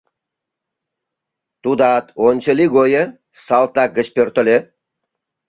Тудат ончылий гойо салтак гыч пӧртыльӧ.